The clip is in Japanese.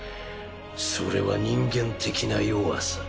それは人間的な弱さ。